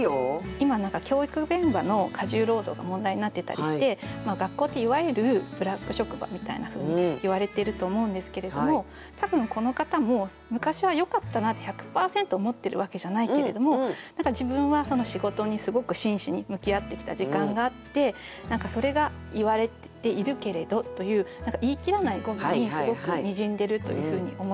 今何か教育現場の過重労働が問題になってたりして学校っていわゆるブラック職場みたいなふうにいわれていると思うんですけれども多分この方も昔はよかったなって１００％思ってるわけじゃないけれども何か自分は仕事にすごく真摯に向き合ってきた時間があって何かそれが「言はれてゐるけれど」という言い切らない語尾にすごくにじんでるというふうに思いました。